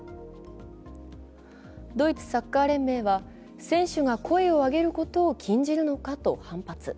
ドイツサッカー連盟は選手が声を上げることを禁じるのかと反発。